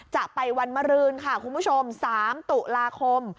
จะไปวันมรืนค่ะคุณผู้ชม๓ตุลาคม